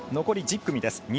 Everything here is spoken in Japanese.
残り１０組です。